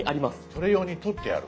それ用に取ってある？